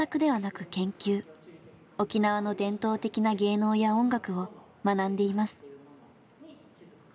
沖縄の伝統的な芸能や音楽を学んでいます。